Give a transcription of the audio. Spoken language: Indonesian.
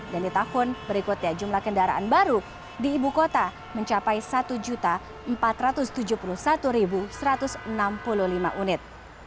dan di tahun berikutnya jumlah kendaraan baru di ibu kota mencapai satu empat ratus tujuh puluh satu satu ratus enam puluh lima unit